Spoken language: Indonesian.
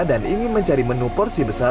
dan ingin mencari menu porsi besar